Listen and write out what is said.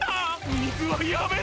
水はやめろ！